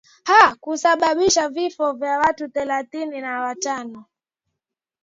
a kusababisha vifo vya watu thelathini na watano